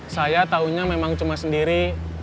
saya tahunya memang cuma sendiri